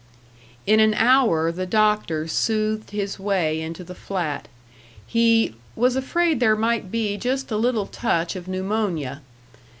In an hour the doctor soothed his way into the flat. He "was afraid there might be just a little touch of pneumonia."